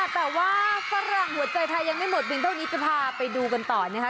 แต่ว่าฝรั่งหัวใจไทยยังไม่หมดเพียงเท่านี้จะพาไปดูกันต่อนะคะ